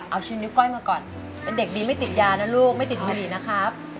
เอาชินนิ้วก้อยมาก่อนเป็นเด็กดีไม่ติดยานะลูกไม่ติดผลิตนะครับ